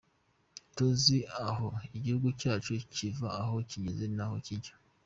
Tuzi aho igihugu cyacu kiva, aho kigeze n’aho kijya.